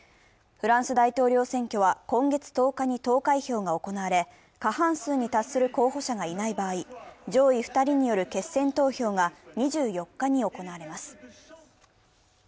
フランス大統領選挙は今月１０日に投開票が行われ、過半数に達する候補者がいない場合、上位２人による決選投票が２４日に行われます。